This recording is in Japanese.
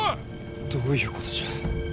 どういうことじゃ？